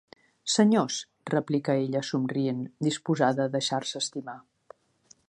Senyors —replica ella somrient, disposada a deixar-se estimar.